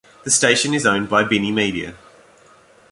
The station is owned by Binnie Media.